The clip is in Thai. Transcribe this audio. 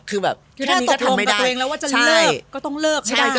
คือแบบแค่นี้ก็ทำไม่ได้